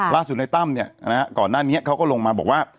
ในตั้มก่อนหน้านี้เขาก็ลงมาบอกว่า